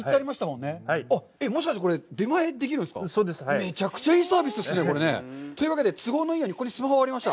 めちゃくちゃいいサービスですね。というわけで、都合のいいようにここにスマホがありました。